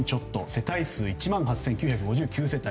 世帯数１万８９５９世帯。